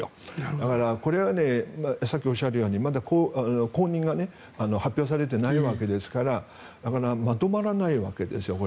だから、これはさっきおっしゃるようにまだ後任が発表されていないわけですからだから、まとまらないわけです。